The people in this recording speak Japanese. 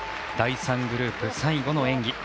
第３グループ、最後の演技。